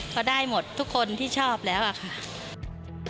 เขาได้หมดทุกคนที่ชอบแล้วอะค่ะ